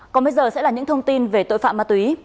còn bây giờ sẽ là những thông tin về tội phạm ma túy